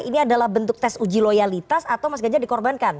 ini adalah bentuk tes uji loyalitas atau mas ganjar dikorbankan